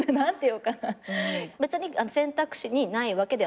別に選択肢にないわけではない？